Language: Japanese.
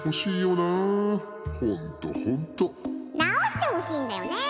「なおしてほしいんだよね」。